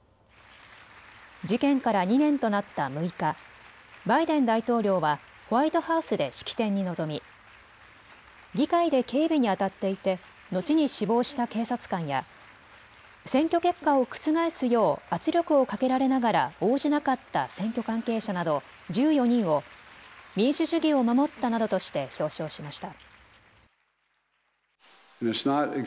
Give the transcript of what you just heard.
事件から２年となった６日、バイデン大統領はホワイトハウスで式典に臨み議会で警備にあたっていて後に死亡した警察官や選挙結果を覆すよう圧力をかけられながら応じなかった選挙関係者など１４人を民主主義を守ったなどとして表彰しました。